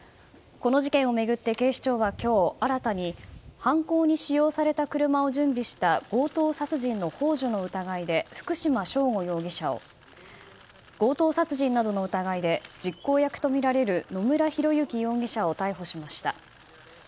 この事件を巡って警視庁は今日、新たに犯行に使用された車を準備した強盗殺人の幇助の疑いで福島聖悟容疑者を強盗殺人などの疑いで実行役とみられる野村広之容疑者を逮捕しました。